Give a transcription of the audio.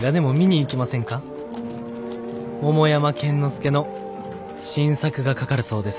桃山剣之介の新作がかかるそうです」。